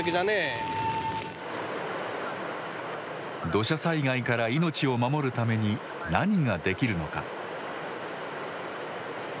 土砂災害から命を守るために何ができるのか。